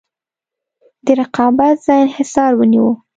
د رقابت ځای انحصار ونیوه.